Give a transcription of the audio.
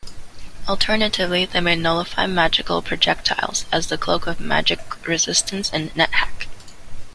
Alternatively, they may nullify magical projectiles, as the "cloak of magic resistance" in NetHack.